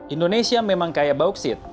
indonesia memang kaya bauksit